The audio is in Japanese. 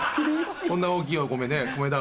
こんな大きい米俵。